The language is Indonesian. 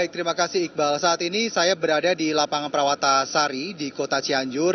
terima kasih iqbal saat ini saya berada di lapangan perawata sari di kota cianjur